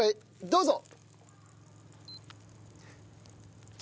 どうぞ！